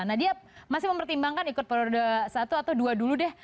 nah dia masih mempertimbangkan ikut periode satu atau dua dulu deh